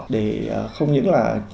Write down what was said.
để không những là